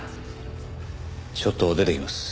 ちょっと出てきます。